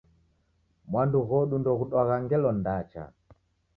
Mwandu ghodu ndoghudwagha ngelo ndacha.